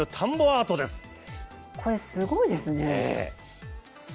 これすごいですね。